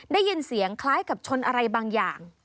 ได้ยินเสียงคล้ายกับชนอะไรบางอย่าง